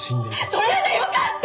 それでよかった！